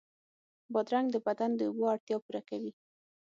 بادرنګ د بدن د اوبو اړتیا پوره کوي.